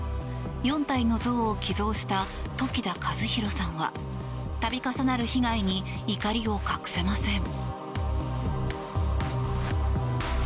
４体の像を寄贈した時田一弘さんは度重なる被害に怒りを隠せません。